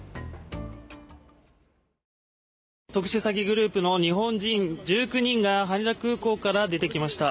特殊詐欺グループの日本人１９人が羽田空港から出てきました。